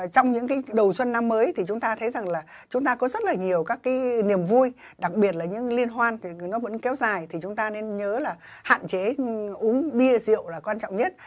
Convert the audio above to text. trong những cái đầu xuân năm mới thì chúng ta thấy rằng là chúng ta có rất là nhiều các cái niềm vui đặc biệt là những liên hoan thì nó vẫn kéo dài thì chúng ta nên nhớ là hạn chế uống bia rượu là quan trọng nhất